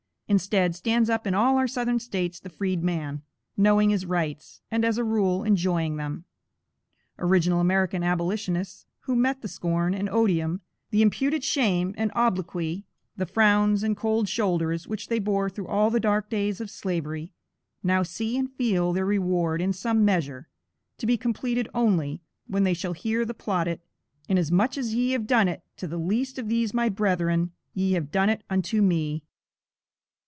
Instead stands up in all our Southern States the freedman, knowing his rights, and, as a rule, enjoying them. Original American abolitionists, who met the scorn and odium, the imputed shame and obloquy, the frowns and cold shoulders which they bore through all the dark days of Slavery, now see and feel their reward in some measure; to be completed only, when they shall hear the plaudit: "Inasmuch as ye have done it to the least of these my brethren, ye have done it unto me."